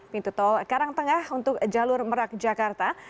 pintu tol karangtengah untuk jalur merak jakarta